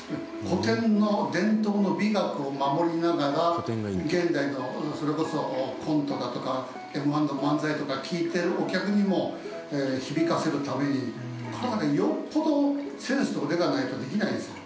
古典の伝統の美学を守りながら現代の、それこそコントだとかＭ−１とか、漫才とか聞いてるお客にも響かせるためによっぽどセンスと腕がないとできないですよ。